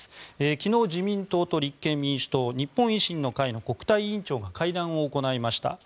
昨日、自民党と立憲民主党日本維新の会の国対委員長が会談を行いました。